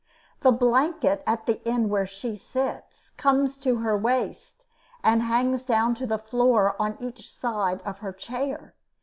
The blanket, at the end where she sits, comes to her waist and hangs down to the floor on each side of her chair.